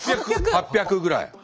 ８００ぐらい。